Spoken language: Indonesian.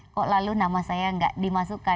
kok lalu nama saya nggak dimasukkan